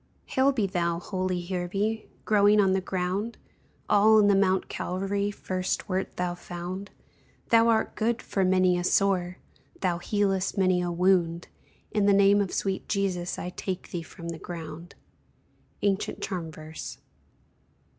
"Hail be thou, holie hearbe, Growing on the ground, All in the mount Calvary First wert thou found; Thou art good for manie a sore, Thou healest manie a wound, In the name of sweete Jesus I take thee from the ground." _Ancient Charm verse.